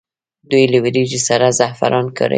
دوی له وریجو سره زعفران کاروي.